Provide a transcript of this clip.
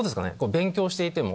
勉強していても。